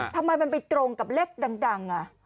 ทำไมมันไปตรงกับเลขดัง